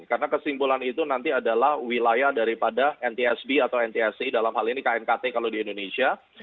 karena kesimpulan itu nanti adalah wilayah daripada ntsb atau ntsi dalam hal ini knkt kalau di indonesia